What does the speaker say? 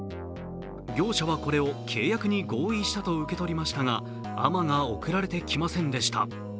業者はこれを契約に合意したと受け取りましたが亜麻が送られてきませんでした。